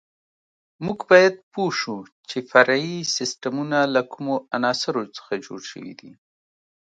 موږ باید پوه شو چې فرعي سیسټمونه له کومو عناصرو څخه جوړ شوي دي.